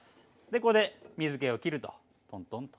ここで水けをきるとトントンと。